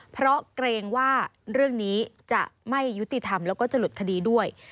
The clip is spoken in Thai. เพราะเกรงว่าเรื่องนี้จะไม่ยุติธรรมแล้วก็จะหลุดคดีด้วย